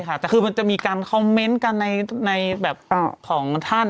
แต่คือมันจะมีการคอมเมนต์กันในแบบของท่าน